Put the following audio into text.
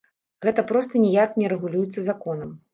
Гэта проста ніяк не рэгулюецца законам.